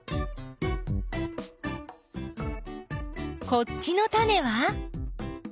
こっちのタネは？